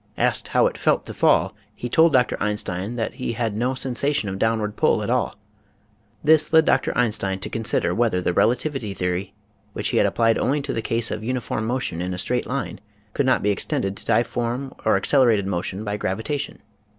Asked how it felt to fall he told Dr. Einstein that he had no sensation of downward pull at all. This led Dr. Ein stein to consider whether the relativity theory, which he had applied only to the case of uniform motion in a straight line, could not be extended to difform or ac celerated motion by gravitation.